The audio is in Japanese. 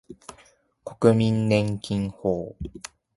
国民年金法